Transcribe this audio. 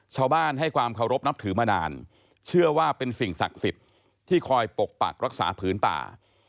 ชาวบ้านให้ความเคารพนับถือมานานเชื่อว่าเป็นสิ่งศักดิ์สิทธิ์ที่คอยปกปักรักษาผืนป่า